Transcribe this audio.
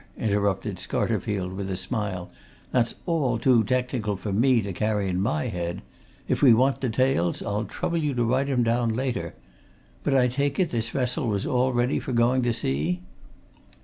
interrupted Scarterfield with a smile. "That's all too technical for me to carry in my head! If we want details, I'll trouble you to write 'em down later. But I take it this vessel was all ready for going to sea?"